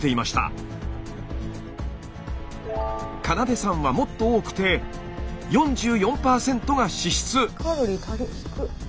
花奏さんはもっと多くて４４％が脂質。